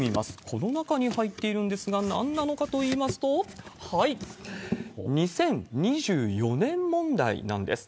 この中に入っているんですが、なんなのかといいますと、はい、２０２４年問題なんです。